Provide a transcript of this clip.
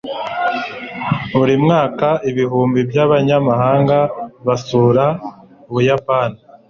buri mwaka ibihumbi by'abanyamahanga basura ubuyapani